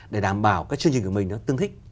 để đảm bảo các chương trình của mình tương thích